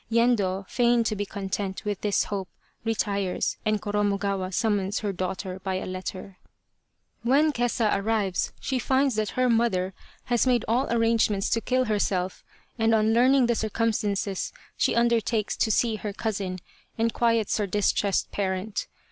Yendo, fain to be content with this hope, retires, and Koromo gawa summons her daughter by a letter. 62 The Tragedy of Kesa Cozen When Kesa arrives she finds that her mother has made all arrangements to kill herself, and on learning the circumstances she undertakes to see her cousin, and quiets her distressed parent.